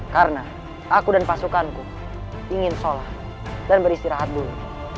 karena aku dan pasukanku ingin sholat dan beristirahat dulu